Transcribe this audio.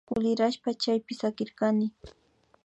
Kulirashpa chaypi sakirkani